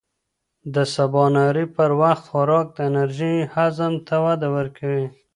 د سباناري پر وخت خوراک د انرژۍ هضم ته وده ورکوي.